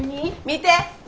見て。